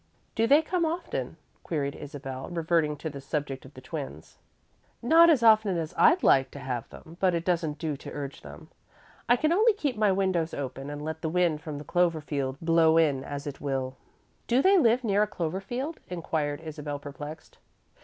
"Do they come often?" queried Isabel, reverting to the subject of the twins. "Not as often as I'd like to have them, but it doesn't do to urge them. I can only keep my windows open and let the wind from the clover field blow in as it will." "Do they live near a clover field?" inquired Isabel, perplexed.